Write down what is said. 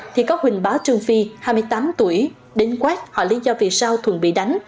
thì có huỳnh bá trương phi hai mươi tám tuổi đến quát họ lý do vì sao thuận bị đánh